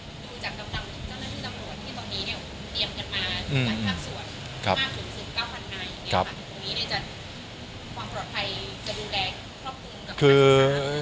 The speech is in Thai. ดูจากกำลังจากเจ้าหน้าที่ตำรวจที่ตอนนี้เนี่ย